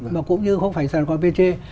mà cũng như không phải sài gòn petro